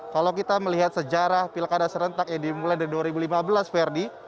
kalau kita melihat sejarah pilkada serentak yang dimulai dari dua ribu lima belas ferdi